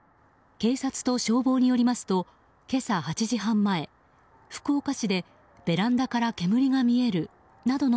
警察と消防によりますと今朝８時半前福岡市でベランダから煙が見えるなどの